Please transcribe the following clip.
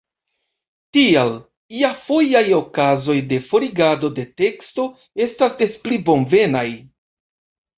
Tial iafojaj okazoj de forigado de teksto estas des pli bonvenaj.